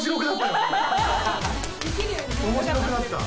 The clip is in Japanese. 面白くなったよ。